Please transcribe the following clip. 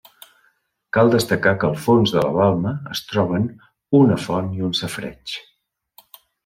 Cal destacar que al fons de la balma es troben una font i un safareig.